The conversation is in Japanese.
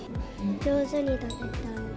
上手に食べたい。